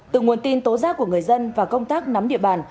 từ nguồn tin tố giác của người dân và công tác nắm địa bàn